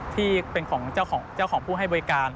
ที่เป็นของเจ้าของผู้ให้บริการ